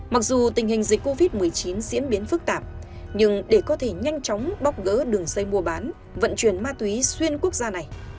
mặc dù tình hình dịch covid một mươi chín diễn biến phức tạp nhưng để có thể nhanh chóng bóc gỡ đường dây mua bán vận chuyển ma túy xuyên quốc gia này